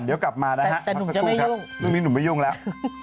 เดี๋ยวกลับมานะฮะพักสักครู่ครับเรื่องนี้หนุ่มไม่ยุ่งแล้ว